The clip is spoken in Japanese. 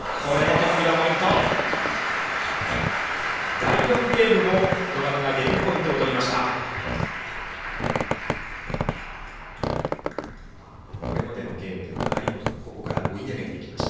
第４ゲームも戸上がゲームポイントを取りました。